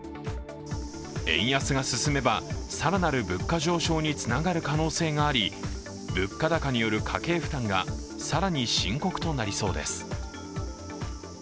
円安が進めば更なる物価上昇につながる可能性があり物価高による家計負担が更に深刻となりそうです。